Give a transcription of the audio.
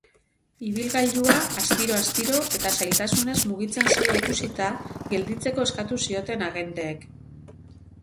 Ibilgailua astiro-astiro eta zailtasunez mugitzen zela ikusita, gelditzeko eskatu zioten agenteek.